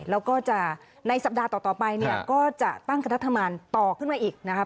แล้วก็จะในสัปดาห์ต่อไปเนี่ยก็จะตั้งคณะทำงานต่อขึ้นมาอีกนะครับ